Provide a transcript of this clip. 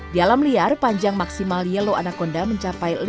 di alam liar panjang maksimal yellow anaconda mencapai